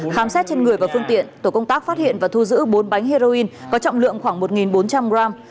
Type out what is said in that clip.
khám xét trên người và phương tiện tổ công tác phát hiện và thu giữ bốn bánh heroin có trọng lượng khoảng một bốn trăm linh gram